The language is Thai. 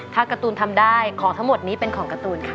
ถ้าการ์ตูนทำได้ของทั้งหมดนี้เป็นของการ์ตูนค่ะ